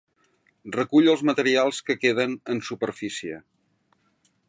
Recull els materials que queden en superfície.